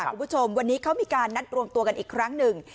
คุณผู้ชมวันนี้เขามีการนัดรวมตัวกันอีกครั้งหนึ่ง